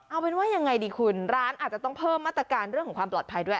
เอาเป็นว่ายังไงดีคุณร้านอาจจะต้องเพิ่มมาตรการเรื่องของความปลอดภัยด้วย